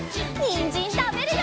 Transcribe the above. にんじんたべるよ！